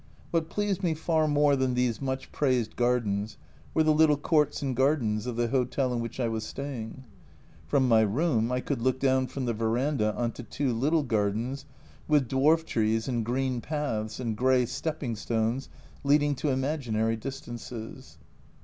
What pleased me far more than these much praised gardens were the little courts' and gardens of the hotel in which I was staying. From my room I could look down from the verandah on to two little gardens, with dwarf trees and green paths and grey stepping stones leading to imaginary distances.